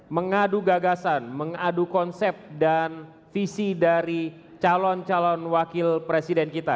mengadu gagasan mengadu konsep dan visi dari calon calon wakil presiden kita